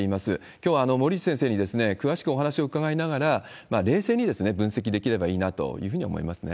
きょうは森内先生に詳しくお話を伺いながら、冷静に分析できればいいなというふうに思いますね。